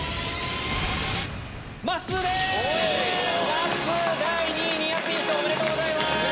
まっすー第２位ニアピン賞おめでとうございます！